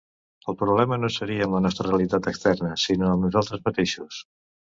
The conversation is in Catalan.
El problema no seria amb la nostra realitat externa sinó amb nosaltres mateixos.